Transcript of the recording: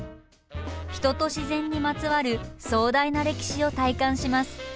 人と自然にまつわる壮大な歴史を体感します。